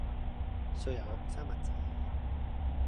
碎牛肉三文治